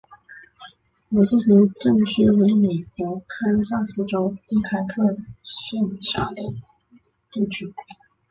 罗斯福镇区为美国堪萨斯州第开特县辖下的镇区。